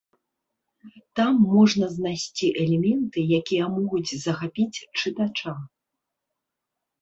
Там можна знайсці элементы, якія могуць захапіць чытача.